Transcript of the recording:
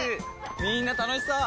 みんな楽しそう！